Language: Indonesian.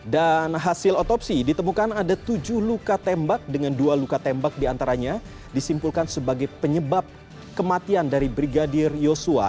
dan hasil otopsi ditemukan ada tujuh luka tembak dengan dua luka tembak diantaranya disimpulkan sebagai penyebab kematian dari brigadir yosua